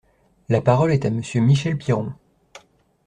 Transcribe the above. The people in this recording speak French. La parole est à Monsieur Michel Piron.